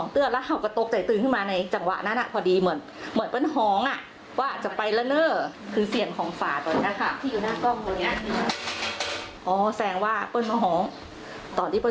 เธอก็ไม่ได้ว่าอะไร